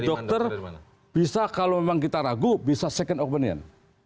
dokter bisa kalau memang kita ragu bisa second opinion